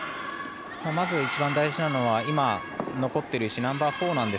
まず一番大事なのは今、残っているナンバーフォー。